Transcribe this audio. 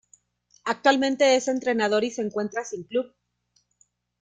Actualmente es entrenador y se encuentra sin club.